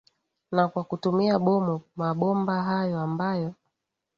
na kwa kutumia bomu mabomba hayo ambayo